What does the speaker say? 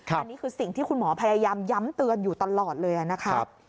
อันนี้คือสิ่งที่คุณหมอพยายามย้ำเตือนอยู่ตลอดเลยนะครับ